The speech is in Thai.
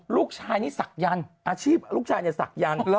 ลูกชายนี่ศักยันต์อาชีพลูกชายเนี่ยศักยันต์